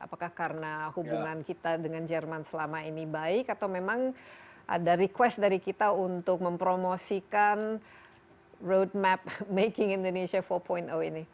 apakah karena hubungan kita dengan jerman selama ini baik atau memang ada request dari kita untuk mempromosikan roadmap making indonesia empat ini